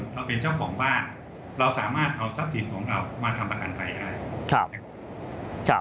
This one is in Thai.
เราเป็นเจ้าของบ้านเราสามารถเอาทรัพย์สินของเรามาทำประกันภัยได้นะครับ